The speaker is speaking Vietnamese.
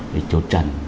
để chốt trần